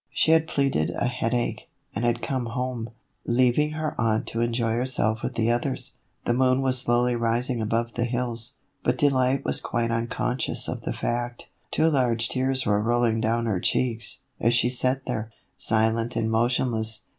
She had pleaded a headache, and had come home, leaving her aunt to enjoy herself with the others. The moon was slowly rising above the hills, but Delight was quite unconscious of the fact. Two large tears were rolling down her cheeks, as she sat there, silent and motionless.